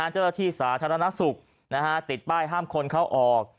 เจ้าหน้าที่สาธารณสุขติดป้ายห้ามคนเข้าออก